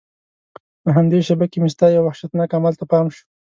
په همدې شېبه کې مې ستا یو وحشتناک عمل ته پام شو.